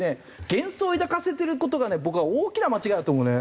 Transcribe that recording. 幻想を抱かせてる事が僕は大きな間違いだと思うね。